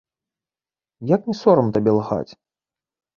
І як не сорам табе лгаць?